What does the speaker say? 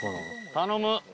頼む！